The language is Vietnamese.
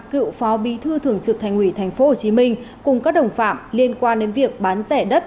cựu phó bí thư thường trực thành ủy tp hcm cùng các đồng phạm liên quan đến việc bán rẻ đất